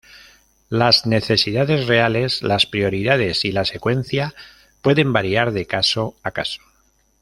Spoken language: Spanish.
Las necesidades reales, las prioridades y la secuencia pueden variar de caso a caso.